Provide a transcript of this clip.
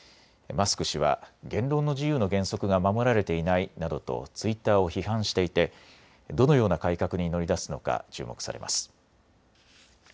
マスク氏は言論の自由の原則が守られていないなどとツイッターを批判していてどのような改革に乗り出すのか注目されます。